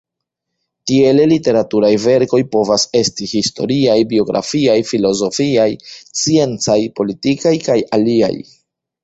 Tiele literaturaj verkoj povas esti historiaj, biografiaj, filozofiaj, sciencaj, politikaj, kaj aliaj.